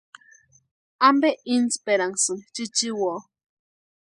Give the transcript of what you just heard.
¿Ampe insperanhasïni chichiwoo?